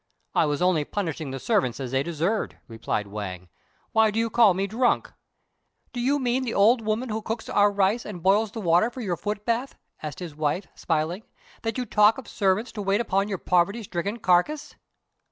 "I was only punishing the servants as they deserved," replied Wang; "why do you call me drunk?" "Do you mean the old woman who cooks our rice and boils the water for your foot bath," asked his wife, smiling, "that you talk of servants to wait upon your poverty stricken carcase?"